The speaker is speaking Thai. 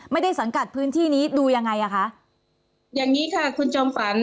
สังกัดพื้นที่นี้ดูยังไงอ่ะคะอย่างนี้ค่ะคุณจอมฝัน